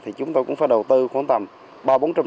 thì chúng tôi cũng phải đầu tư khoảng tầm